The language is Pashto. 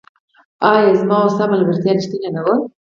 آيا زما او ستا ملګرتيا ريښتيني نه وه